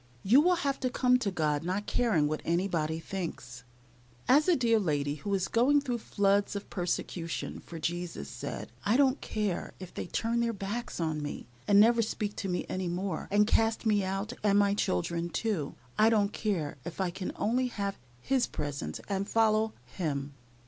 You will have to come to God not caring what anybody thinks. As a dear lady, who is going through floods of persecution for Jesus, said, "I don't care if they turn their backs on me, and never speak to me any more, and cast me out, and my children, too. I don't care if I can only have His presence and follow Him."